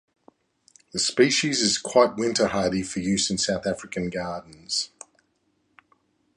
This species is quite winter hardy for use in South African gardens.